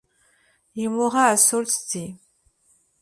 Il mourra à Sault Ste.